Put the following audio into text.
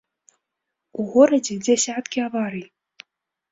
У горадзе дзясяткі аварый.